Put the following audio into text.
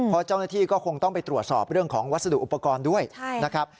เพราะเจ้าหน้าที่ก็คงต้องไปตรวจสอบเรื่องของวัสดุอุปกรณ์ด้วยนะครับ